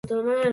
Tomar.